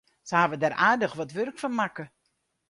Se hawwe der aardich wat wurk fan makke.